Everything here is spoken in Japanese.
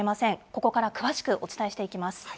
ここから詳しくお伝えしていきま